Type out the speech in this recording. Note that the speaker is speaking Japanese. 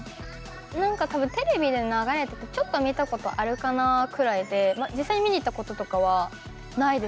何かたぶんテレビで流れててちょっと見たことあるかなくらいで実際に見に行ったこととかはないです。